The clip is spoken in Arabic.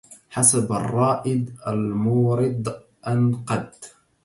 حسب الرائد المورض أن قد